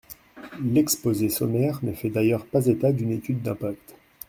L’exposé sommaire ne fait d’ailleurs pas état d’une étude d’impact.